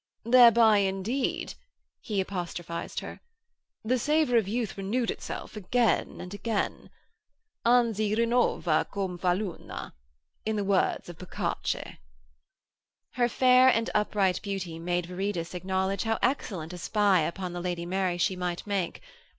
'Thereby indeed,' he apostrophised her, 'the savour of youth reneweth itself again and again.... "Anzi rinuova come fa la luna," in the words of Boccace.' Her fair and upright beauty made Viridus acknowledge how excellent a spy upon the Lady Mary she might make.